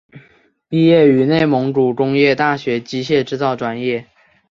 毕业于内蒙古工业大学机械制造专业。